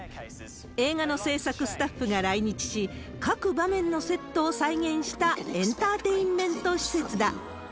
映画の製作スタッフが来日し、各場面のセットを再現したエンターテインメント施設だ。